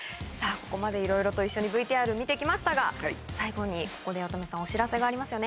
ここまでいろいろと一緒にＶＴＲ見て来ましたが最後にここで八乙女さんお知らせがありますよね。